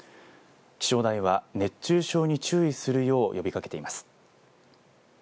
気象台は熱中症に注意するよう呼びかけています。